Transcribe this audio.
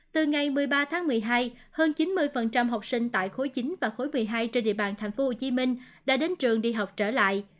từ ngày một mươi ba tháng một mươi hai hơn chín mươi học sinh tại khối chín và khối một mươi hai trên địa bàn tp hcm đã đến trường đi học trở lại